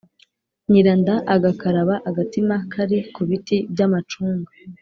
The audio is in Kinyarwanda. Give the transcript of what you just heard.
nyiranda agakaraba agatima kari ku biti by'amacunga